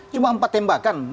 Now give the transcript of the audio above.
cuma empat tembakan